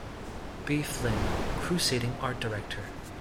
B. Flynn, crusading art director.